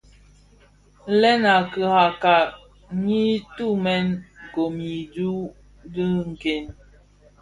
Lèn a kirara nyi tumè gom i dhyu di nken.